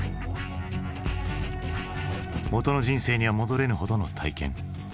元の人生には戻れぬほどの体験。